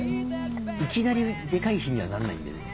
いきなりでかい火にはなんないんでね。